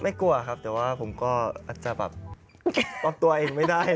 กลัวครับแต่ว่าผมก็อาจจะแบบปรับตัวเองไม่ได้